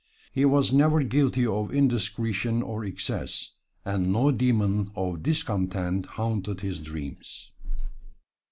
He was never guilty of indiscretion or excess, and no demon of discontent haunted his dreams.